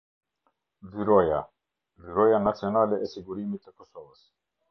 Byroja - Byroja nacionale e sigurimit të Kosovës.